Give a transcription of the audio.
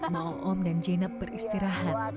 ma'ul oom dan jenab beristirahat